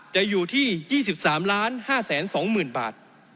อยู่ที่๒๓๕๒๐๐๐บาท